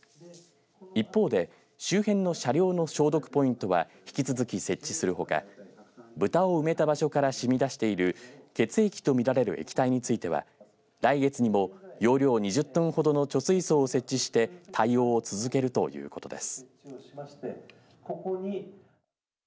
一方で周辺の車両の消毒ポイントは引き続き設置するほか豚を埋めた場所からしみ出している血液と見られる液体については来月にも容量２０トンほどの貯水槽を設置して対応を続けるということです。